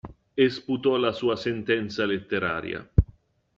E sputò la sua sentenza letteraria.